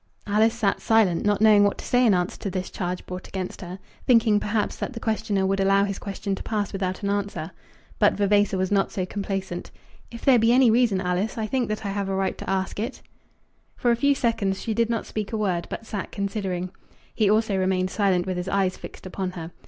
Alice sat silent, not knowing what to say in answer to this charge brought against her, thinking, perhaps, that the questioner would allow his question to pass without an answer. But Vavasor was not so complaisant. "If there be any reason, Alice, I think that I have a right to ask it." For a few seconds she did not speak a word, but sat considering. He also remained silent with his eyes fixed upon her.